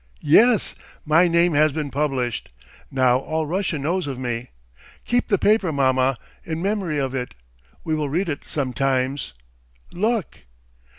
"Yes! My name has been published! Now all Russia knows of me! Keep the paper, mamma, in memory of it! We will read it sometimes! Look!"